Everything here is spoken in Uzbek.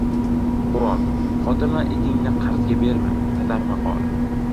Qurol, xotin va itingni qarzga berma. Tatar maqoli